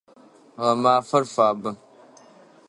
Гъэмафэр фабэ.